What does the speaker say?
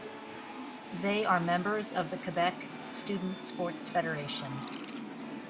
They are members of the Quebec Student Sports Federation.